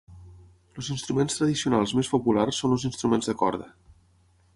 Els instruments tradicionals més populars són els instruments de corda.